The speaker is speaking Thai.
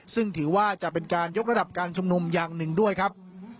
ซึ่งถือว่าจะเป็นการยกระดับการชุมนุมอย่างหนึ่งด้วยครับ